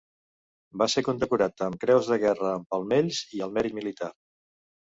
Va ser condecorat amb Creus de Guerra amb Palmells i al Mèrit Militar.